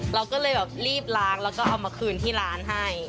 เราก็เลยแบบรีบล้างแล้วก็เอามาคืนที่ร้านให้